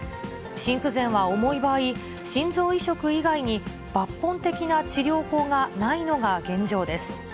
心不全は重い場合、心臓移植以外に抜本的な治療法がないのが現状です。